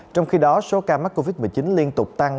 trong khi đó số ca mắc covid một mươi chín liên tục tăng